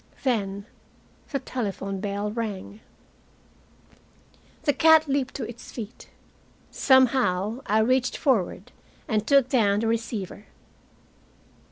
Then the telephone bell rang. The cat leaped to his feet. Somehow I reached forward and took down the receiver.